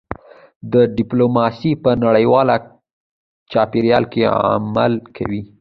دا ډیپلوماسي په نړیوال چاپیریال کې عمل کوي